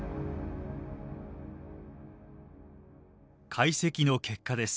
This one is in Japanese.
解析の結果です。